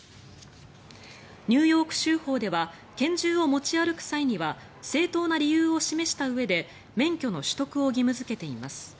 ニューヨーク州法では拳銃を持ち歩く際には正当な理由を示したうえで免許の取得を義務付けています。